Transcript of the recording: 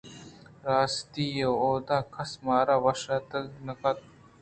راستیءَ اُودا کس ءَمارا وش اتک نہ کُتگ اَت